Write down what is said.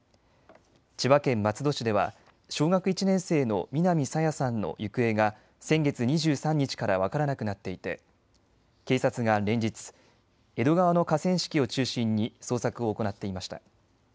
千葉県松戸市では小学１年生の南朝芽さんの行方が先月２３日から分からなくなっていて警察が連日、江戸川の河川敷を中心に捜索を行っていました。